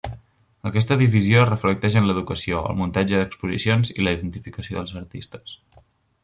Aquesta divisió es reflecteix en l'educació, el muntatge d'exposicions i la identificació dels artistes.